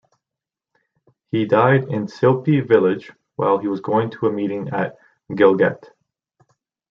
He died in silpi village, while he was going to a meeting at Gilgit.